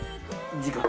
時間。